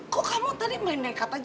kok kamu tadi main nekat aja